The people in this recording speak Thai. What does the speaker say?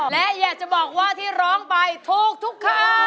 และอยากจะบอกว่าที่ร้องไปถูกทุกคำ